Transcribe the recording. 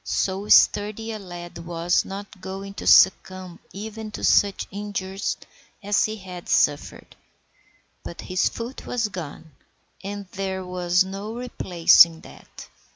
So sturdy a lad was not going to succumb even to such injuries as he had suffered. But his foot was gone, and there was no replacing that.